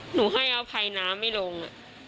หนูให้เอาภัยน้ำให้ลง